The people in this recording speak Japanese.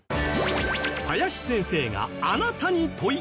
林先生があなたに問いかける！